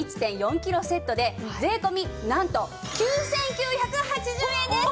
キロセットで税込なんと９９８０円です！